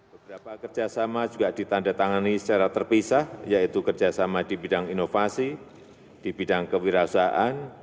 beberapa kerjasama juga ditandatangani secara terpisah yaitu kerjasama di bidang inovasi di bidang kewirausahaan